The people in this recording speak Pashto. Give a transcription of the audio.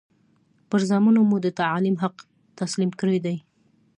پر زامنو مو د تعلیم حق تسلیم کړی دی.